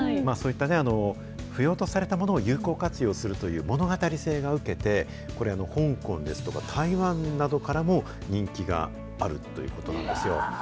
そういったね、不用とされたものを有効活用するという物語性が受けて、これ、香港ですとか台湾などからも人気があるということなんですよ。